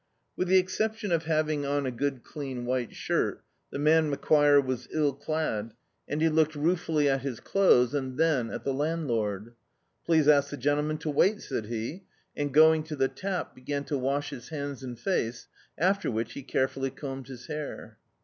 With the exception of having tn a good clean white shirt, the man Macquire was ill clad, and he looked ruefully at his clothes, and then at the land lord. "Please ask the gentleman to wait," said he, and, going ro the tap, began ro wash his hands and face, after which be carefully combed his hair.